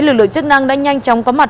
lực lượng chức năng đã nhanh chóng có mặt